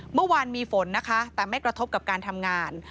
เมื่อวานมีฝนนะคะแต่ไม่กระทบกับการทำงาน